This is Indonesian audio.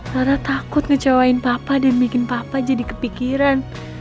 karena takut ngecewain papa dan bikin papa jadi kepikiran